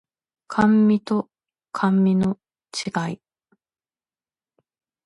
甘味と甘味の違い